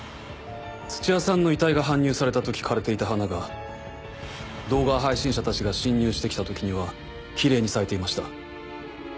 土屋さんの遺体が搬入された時枯れていた花が動画配信者たちが侵入して来た時にはキレイに咲いていました。